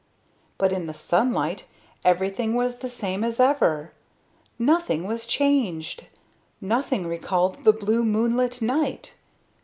But in the sunlight everything was the same as ever. Nothing was changed; nothing recalled the blue moonlit night.